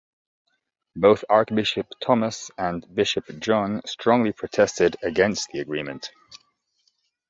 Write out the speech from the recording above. Both Archbishop Thomas and Bishop John strongly protested against the agreement.